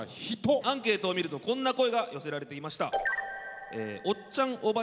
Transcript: アンケートを見るとこんな声が寄せられていました。